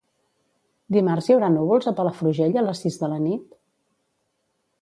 Dimarts hi haurà núvols a Palafrugell a les sis de la nit?